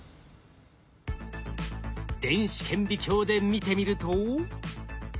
電子顕微鏡で見てみると。